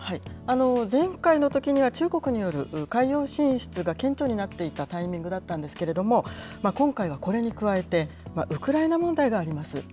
前回のときには、中国による海洋進出が顕著になっていたタイミングだったんですけれども、今回はこれに加えて、ウクライナ問題があります。